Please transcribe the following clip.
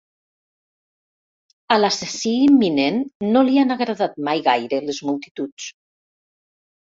A l'assassí imminent no li han agradat mai gaire, les multituds.